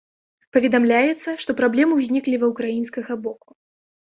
Паведамляецца, што праблемы ўзніклі ва ўкраінскага боку.